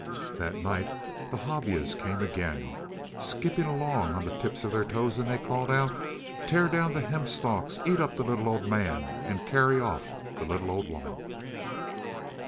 That night the Hobyahs came again, skipping along on the tips of their toes, and they called out: "Tear down the hemp stalks. Eat up the little old man, and carry off the little old woman."